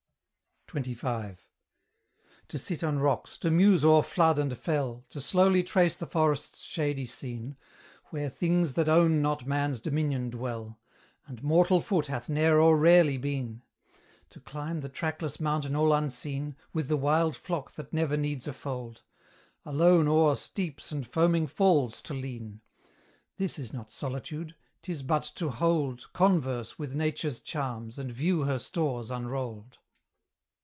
XXV. To sit on rocks, to muse o'er flood and fell, To slowly trace the forest's shady scene, Where things that own not man's dominion dwell, And mortal foot hath ne'er or rarely been; To climb the trackless mountain all unseen, With the wild flock that never needs a fold; Alone o'er steeps and foaming falls to lean: This is not solitude; 'tis but to hold Converse with Nature's charms, and view her stores unrolled.